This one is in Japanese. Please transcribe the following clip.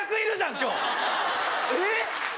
今日えっ？